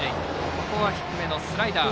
ここは低めのスライダー。